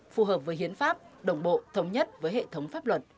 phù hợp với hiến pháp đồng bộ thống nhất với hệ thống pháp luật